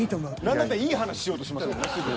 何だったらいい話しようとしますもんねすぐ。